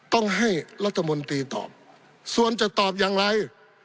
ต้องให้รัฐมนตรีตอบส่วนจะตอบอย่างไร